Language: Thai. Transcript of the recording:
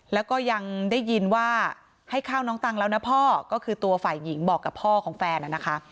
แล้วก็ยังได้ยินว่าให้ข้าวน้องตังแล้วนะพ่อก็คือตัวฝ่ายหญิงบอกกับพ่อของแฟนนะคะ